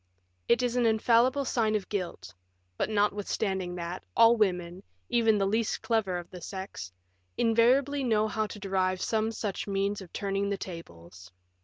It is an infallible sign of guilt; but notwithstanding that, all women, even the least clever of the sex, invariably know how to derive some such means of turning the tables.